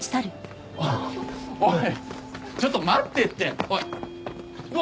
おいちょっと待ってっておいうわ